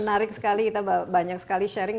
menarik sekali kita banyak sekali sharing